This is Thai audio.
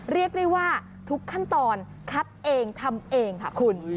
เรียกได้ว่าทุกขั้นตอนคัดเองทำเองค่ะคุณ